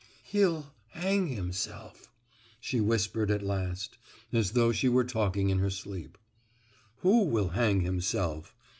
"He'll—hang himself!" she whispered at last, as though she were talking in her sleep. "Who will hang himself?"